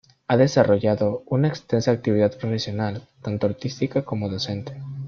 Ha desarrollado una extensa actividad profesional, tanto artística como docente.